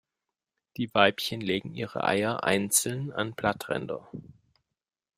Die Weibchen legen ihre Eier einzeln an Blattränder.